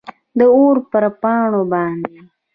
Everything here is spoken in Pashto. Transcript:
داور پر پاڼو باندي ،